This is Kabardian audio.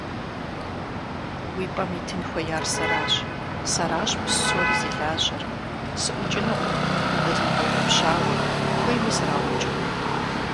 Уи пӀэм итын хуеяр сэращ, сэращ псори зи лажьэр, сыӀукӀынукъым укъезмыгъэутӀыпщауэ, хуейми сраукӀ!